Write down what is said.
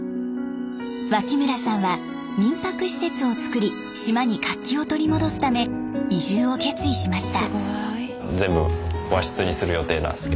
脇村さんは民泊施設をつくり島に活気を取り戻すため移住を決意しました。